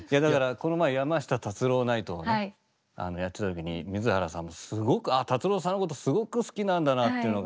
この前「山下達郎ナイト！」をねやってた時に水原さんもすごくああ達郎さんのことすごく好きなんだなっていうのが。